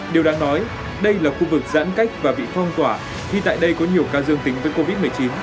điều đáng nói đây là khu vực giãn cách và bị phong tỏa khi tại đây có nhiều ca dương tính với covid một mươi chín